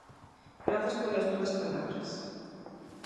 Grazas polas túas palabras.